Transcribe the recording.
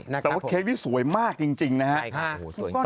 แต่ว่าเค้กนี้สวยมากจริงนะฮะ